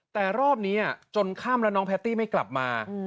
แต่รอบนี้จนค่ำแล้วน้องแพตตี้ไม่กลับมา